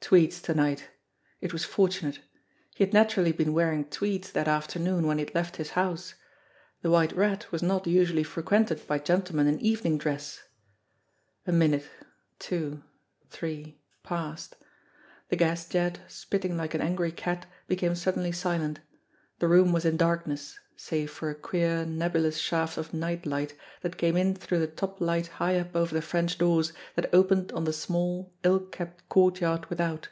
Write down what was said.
Tweeds to night. It was fortunate ! He had naturally been wearing tweeds that afternoon when he had left his house. The White Rat was not usually frequented by gentlemen in evening dress ! A minute, two, three passed. The gas jet, spitting like an angry cat, became suddenly silent. The room was in dark ness, save for a queer, nebulous shaft of night light that came in through the top light high up over the French doors that opened on the small, ill kept courtyard without.